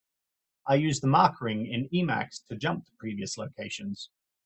I use the mark ring in Emacs to jump to previous locations.